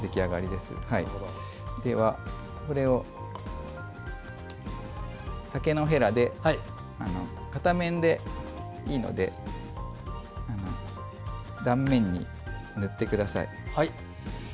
では、これを竹のヘラで片面でいいので断面に塗ってください。